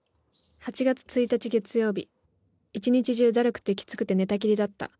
８月１日、月曜日一日中だるくてきつくて寝たきりだった。